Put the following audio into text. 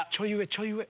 ちょい上！